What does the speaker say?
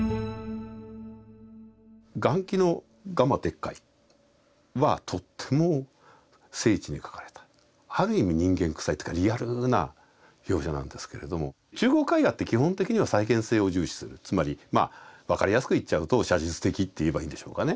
顔輝の「蝦蟇鉄拐」はとっても精緻に描かれたある意味人間くさいというかリアルな描写なんですけれども中国絵画って基本的には再現性を重視するつまり分かりやすく言っちゃうと写実的って言えばいいんでしょうかね。